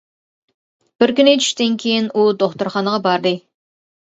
بىر كۈنى چۈشتىن كېيىن ئۇ دوختۇرخانىغا باردى.